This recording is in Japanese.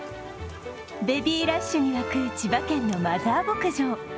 ベビーラッシュに沸く千葉県のマザー牧場。